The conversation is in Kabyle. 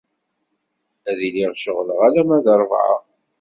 Ad iliɣ ceɣleɣ alamma d rrabεa.